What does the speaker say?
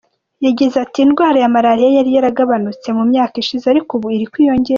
Yagize ati “Indwara ya Malariya yari yaragabanutse mu myaka ishize ariko ubu iri kwiyongera.